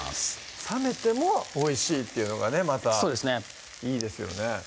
冷めてもおいしいっていうのがねまたいいですよね